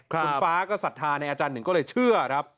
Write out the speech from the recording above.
คุณฟ้าก็ศรัทธาในอาจารย์หนึ่งก็เลยเชื่อครับ